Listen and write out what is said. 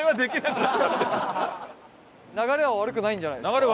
流れは悪くないんじゃないですか。